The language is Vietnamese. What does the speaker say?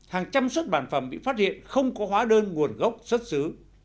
hàng trăm xuất bản phẩm bị phát hiện không có hóa đơn nguồn gốc xuất xứ